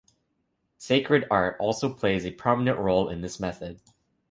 Sacred art also plays a prominent role in this method.